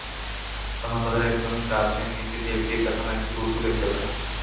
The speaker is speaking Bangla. তখন তাদের একজন গাছের নিচে টেপ দিয়ে প্যাঁচানো একটি বস্তু দেখতে পায়।